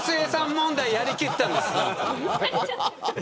問題をやりきったんです。